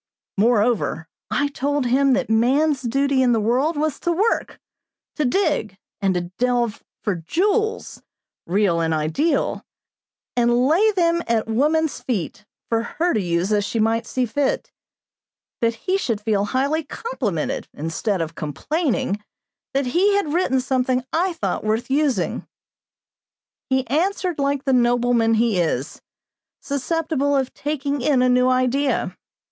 Moreover, I told him that man's duty in the world was to work, to dig and delve for jewels, real and ideal, and lay them at woman's feet, for her to use as she might see fit; that he should feel highly complimented, instead of complaining, that he had written something I thought worth using. He answered like the nobleman he is; susceptible of taking in a new idea.